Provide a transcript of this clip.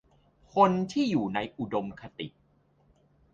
คนที่อยู่ในอุดมคติ